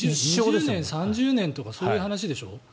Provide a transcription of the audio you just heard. ２０年、３０年とかそういう話でしょ。